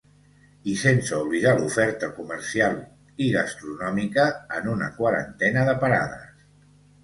I sense oblidar l’oferta comercial i gastronòmica en una quarantena de parades.